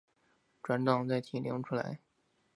转帐再提领出来